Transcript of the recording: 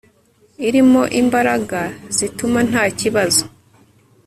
irimo imbaraga zituma ntakibazo